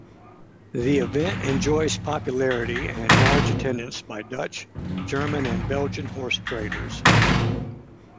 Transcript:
The event enjoys popularity and large attendance by Dutch, German and Belgian horsetraders.